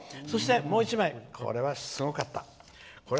もう１枚、これはすごかった。